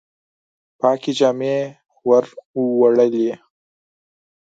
پاکي جامي وروړلي